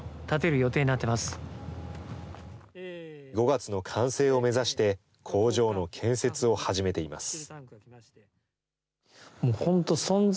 ５月の完成を目指して、工場の建設を始めています。